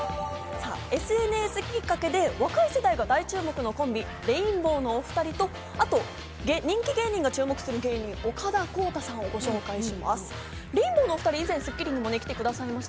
ＳＮＳきっかけで若い世代が大注目のコンビ、レインボーのお２人と人気芸人が注目してる芸人・岡田康太さんをご紹介します。